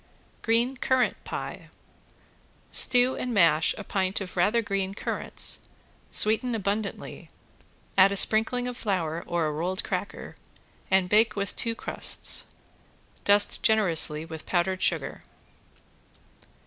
~GREEN CURRANT PIE~ Stew and mash a pint of rather green currants, sweeten abundantly, add a sprinkling of flour or a rolled cracker and bake with two crusts. Dust generously with powdered sugar.